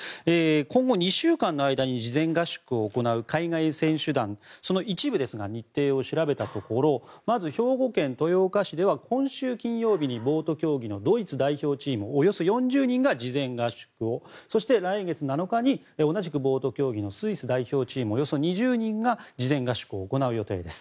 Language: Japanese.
今後２週間の間に事前合宿を行う海外選手団その一部ですが日程を調べたところまず、兵庫県豊岡市では今週金曜日にボート競技のドイツ代表チームおよそ４０人が事前合宿をそして、来月７日に同じくボート競技のスイス代表チームおよそ２０人が事前合宿を行う予定です。